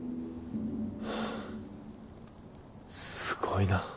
すごいな。